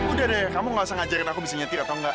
udah deh kamu gak usah ngajarin aku bisa nyetir atau enggak